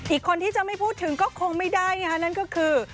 อีกคนที่จะไม่พูดถึงก็คงไม่ได้นะคะนั่นก็คือ